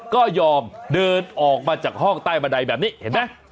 ก็ยอมเดินออกมาจากห้องใต้บันไดแบบนี้เห็นไหม